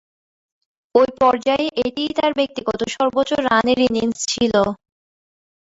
ঐ পর্যায়ে এটিই তার ব্যক্তিগত সর্বোচ্চ রানের ইনিংস ছিল।